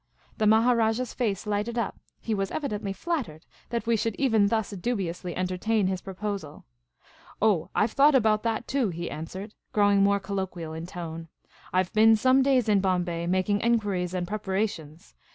The Maharajah's face lighted up ; he was evidently flat tered that we should even thus dubiously entertain his pro posal. " Oh, I 've thought about that, too, " he an.swerecl, growing more colloquial in tone. " I 've been some days in Bombay, making enquiries and preparations.